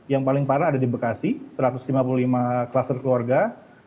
yang paling parah ada di bekasi satu ratus lima puluh lima klaster keluarga